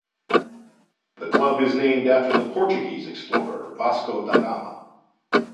The club is named after the Portuguese explorer Vasco da Gama.